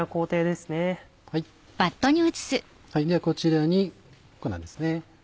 ではこちらに粉ですね。